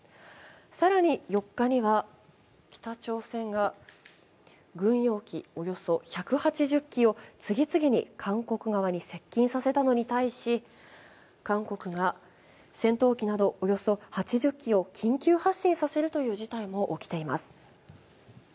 更に４日には、北朝鮮が軍用機およそ１８０機を次々に韓国側に接近させたのに対し、韓国が戦闘機などおよそ８０機を緊急発進させるという事態も起きています。